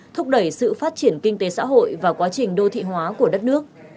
thúc đẩy sự phát triển kinh tế xã hội và quá trình đô thị hóa của đất nước